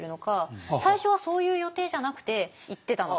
最初はそういう予定じゃなくて行ってたのか。